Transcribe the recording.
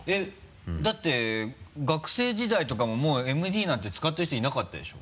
だって学生時代とかももうＭＤなんて使ってる人いなかったでしょ？